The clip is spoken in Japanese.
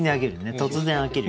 突然飽きるよね。